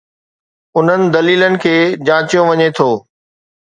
انهن دليلن کي جانچيو وڃي ٿو.